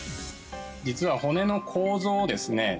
実は骨の構造をですね